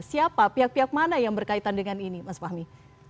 siapa pihak pihak mana yang berkaitan dengan ini mas fahmi